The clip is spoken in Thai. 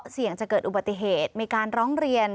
เสี่ยงจะเกิดอุบัติเหตุมีการร้องเรียน